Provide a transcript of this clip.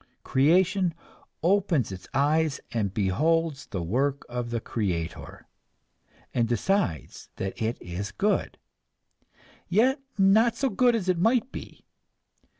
Creation opens its eyes, and beholds the work of the creator, and decides that it is good yet not so good as it might be!